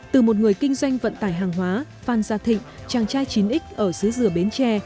từ một người kinh doanh vận tải hàng hóa phan gia thịnh chàng trai chín x ở xứ dừa bến tre